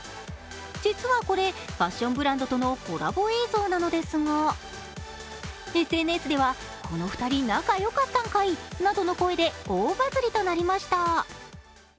実はこれ、ファッションブランドとのコラボ企画なのですがＳＮＳでは、この２人、仲よかったんかいなどの声で大バズりとなりました。